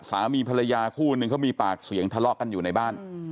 สามีภรรยาคู่นึงเขามีปากเสียงทะเลาะกันอยู่ในบ้าน